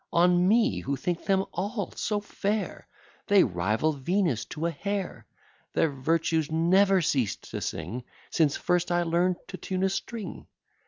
On me, who think them all so fair, They rival Venus to a hair; Their virtues never ceased to sing, Since first I learn'd to tune a string?